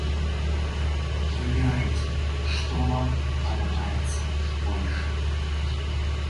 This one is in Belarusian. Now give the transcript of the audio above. Выбірайце, што вам падабаецца больш.